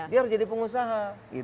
dia harus jadi pengusaha